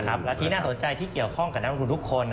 และที่น่าสนใจที่เกี่ยวข้องกับนักลงทุนทุกคน